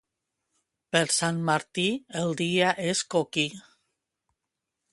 Per Sant Martí el dia és coquí.